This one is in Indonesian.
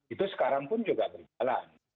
itu sekarang pun juga berjalan